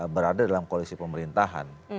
berada dalam koalisi pemerintahan